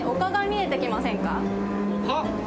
はっ？